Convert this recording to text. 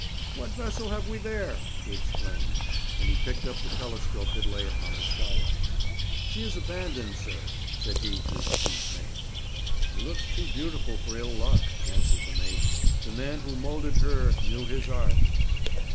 'What vessel have we there?' he exclaimed, and he picked up the telescope that lay upon the skylight. 'She is abandoned, sir,' said he to his chief mate. 'She looks too beautiful for ill luck,' answered the mate. 'The man who moulded her knew his art.'